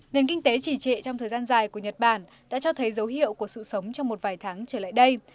nền kinh tế trì trệ trong thời gian dài của nhật bản đã cho thấy dấu hiệu của sự sống trong một vài tháng trở lại đây